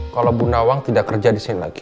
kalau bu nawang tidak kerja disini lagi